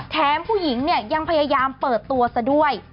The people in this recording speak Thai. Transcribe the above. แถมผู้หญิงเนี่ยยังพยายามเปิดตัวซะด้วย